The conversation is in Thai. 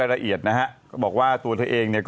เอ้ยฟัง